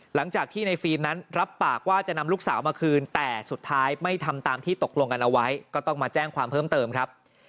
หลังจากที่ในฟิล์มนั้นรับปากว่าจะนำลูกสาวมาคืนแต่สุดท้ายไม่ทำตามที่ตกลงกันเอาไว้ก็ต้องมาแจ้งความเพิ่มเติมครับ